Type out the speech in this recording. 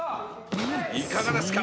いかがですか？